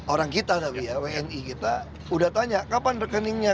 orang kita tapi ya wni kita udah tanya kapan rekeningnya